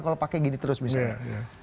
kalau pakai gini terus misalnya